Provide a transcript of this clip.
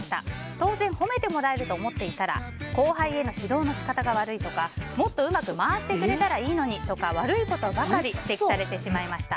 当然褒めてもらえると思っていたら後輩への指導の仕方が悪いとかもっとうまく回してくれたらいいのにとか悪いことばかり指摘されてしまいました。